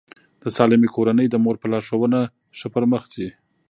د سالمې کورنۍ د مور په لارښوونه ښه پرمخ ځي.